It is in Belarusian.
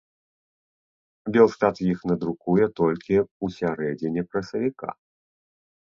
Белстат іх надрукуе толькі ў сярэдзіне красавіка.